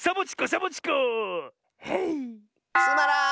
つまらん！